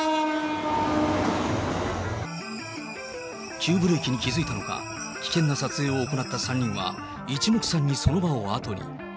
急ブレーキに気付いたのか、危険な撮影を行った３人は、一目散にその場を後に。